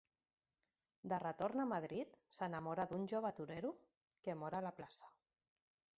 De retorn a Madrid, s'enamora d'un jove torero, que mor a la plaça.